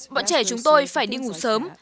bọn trẻ chúng tôi phải đi ngủ sớm